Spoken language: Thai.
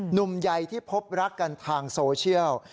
หนุ่มใหญ่ที่พบรักกันทางโซเชียล